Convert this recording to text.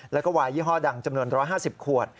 แล้วก็วายยี่ห้อดังจำนวน๑๕๐ขวด